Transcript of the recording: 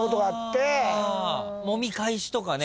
もみ返しとかね。